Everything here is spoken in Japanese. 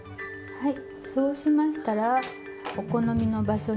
はい。